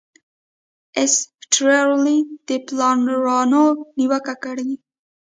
ایسټرلي د پلانرانو نیوکه کړې.